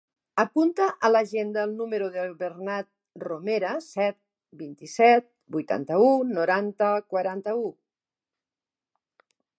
Apunta a l'agenda el número del Bernat Romera: set, vint-i-set, vuitanta-u, noranta, quaranta-nou.